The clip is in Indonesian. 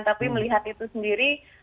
tapi melihat itu sendiri